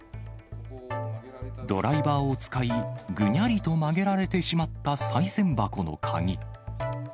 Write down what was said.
ドライバーを使い、ぐにゃりと曲げられてしまったさい銭箱の鍵。